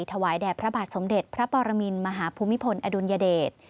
ถวายแด่พระบาทสมเด็จพระปรมินมหาภูมิพลอดุลยเดช